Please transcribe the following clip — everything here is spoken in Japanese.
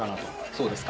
そうですか。